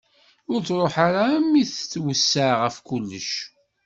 Ur truḥ ara armi i t-tweṣṣa ɣef kullec.